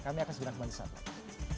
kami akan segera kembali saat lain